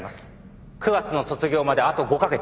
９月の卒業まであと５カ月。